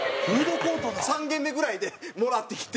３軒目ぐらいでもらってきて。